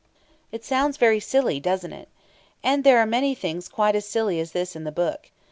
It sounds very silly, doesn't it? And there are many things quite as silly as this in the book.